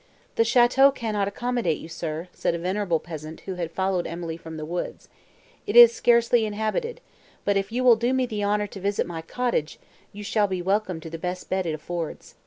"The château cannot accommodate you, sir," said a venerable peasant who had followed Emily from the woods, "it is scarcely inhabited; but, if you will do me the honour to visit my cottage, you shall be welcome to the best bed it affords."